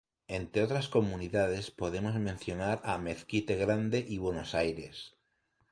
Entre otras comunidades podemos mencionar a Mezquite Grande y Buenos Aires.